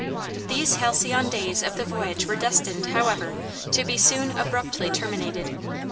These halcyon days of the voyage were destined, however, to be soon abruptly terminated.